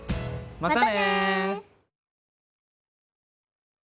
またね！